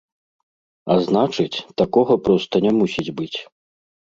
А значыць, такога проста не мусіць быць.